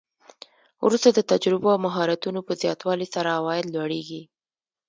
وروسته د تجربو او مهارتونو په زیاتوالي سره عواید لوړیږي